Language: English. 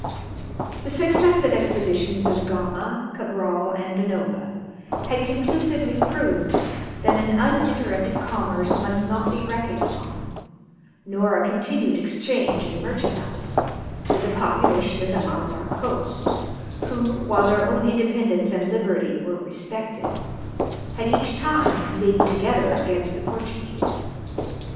The successive expeditious of Gama, Cabral, and Da Nova had conclusively proved that an uninterrupted commerce must not be reckoned upon, nor a continued exchange of merchandise, with the population of the Malabar Coast, who, while their own independence and liberty were respected had each time leagued together against the Portuguese.